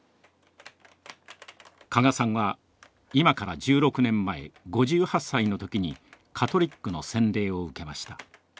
加賀さんは今から１６年前５８歳の時にカトリックの洗礼を受けました。